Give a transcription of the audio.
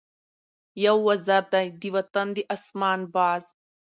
یو وزر دی د وطن د آسمان ، باز